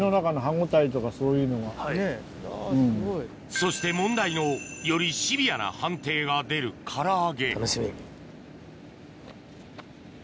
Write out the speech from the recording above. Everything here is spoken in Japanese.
そして問題のよりシビアな判定が出るから揚げ楽しみ。